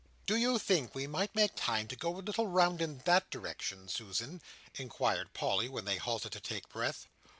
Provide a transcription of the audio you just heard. "Do you think that we might make time to go a little round in that direction, Susan?" inquired Polly, when they halted to take breath.